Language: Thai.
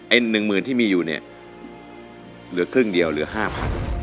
หนึ่งหมื่นที่มีอยู่เนี่ยเหลือครึ่งเดียวเหลือ๕๐๐บาท